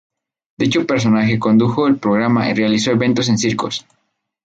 Dicho personaje condujo el programa y realizó eventos en circos.